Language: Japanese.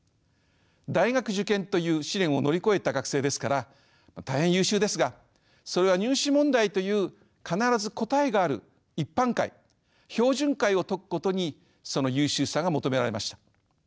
大学受験という試練を乗り越えた学生ですから大変優秀ですがそれは入試問題という必ず答えがある一般解標準解を解くことにその優秀さが求められました。